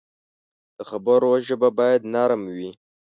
د خبرو ژبه باید نرم وي